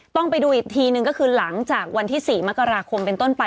ต้องไปดูอีกทีนึงก็คือหลังจากวันที่๔มกราคมเป็นต้นไป